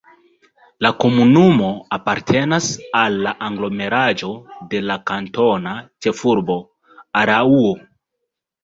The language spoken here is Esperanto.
La komunumo apartenas al la aglomeraĵo de la kantona ĉefurbo Araŭo.